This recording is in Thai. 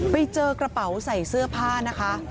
ไปเจอกระเป๋าใส่เสื้อผ้านะคะ